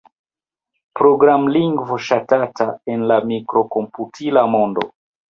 Programlingvo ŝatata en la mikrokomputila mondo.